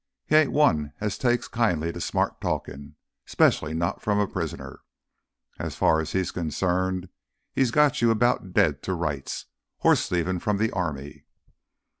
He ain't one as takes kindly to no smart talkin', 'specially not from a prisoner. As far as he's concerned he's got you about dead to rights—hoss thievin' from th' army."